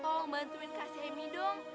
tolong bantuin kak semi dong